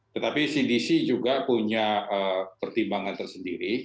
tetapi cdc juga punya pertimbangan tersendiri